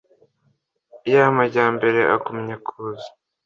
Ya majyambere agumya kuza